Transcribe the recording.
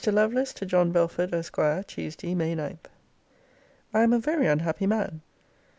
LOVELACE, TO JOHN BELFORD, ESQ. TUESDAY, MAY 9. I am a very unhappy man.